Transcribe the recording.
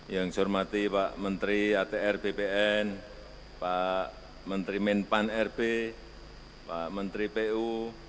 yang saya hormati pak menteri atr bpn pak menteri menpan rb pak menteri pu